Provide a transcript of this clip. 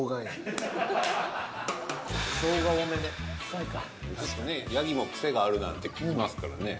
確かねヤギもクセがあるなんて聞きますから。